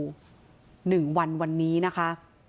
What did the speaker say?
ที่จังหวัดหนองบวลลำพู๑วันวันนี้นะคะ